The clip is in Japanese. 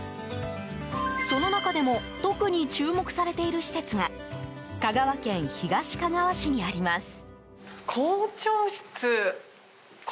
その中でも特に注目されている施設が香川県東かがわ市にあります。